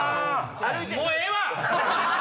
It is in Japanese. もうええわ！